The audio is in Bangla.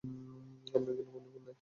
আপনার জন্য কোনো ফোন নেই।